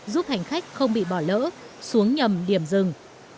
giúp hành khách không bị bỏ lỡ xuống nhầm điểm rừng